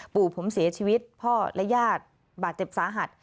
ปู่ผมเสียชีวิตพ่อและญาติบาดเจ็บสาหัส